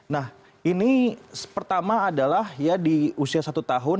nah ini pertama adalah ya di usia satu tahun